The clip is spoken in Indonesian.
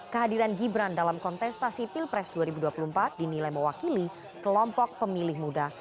kehadiran gibran dalam kontestasi pilpres dua ribu dua puluh empat dinilai mewakili kelompok pemilih muda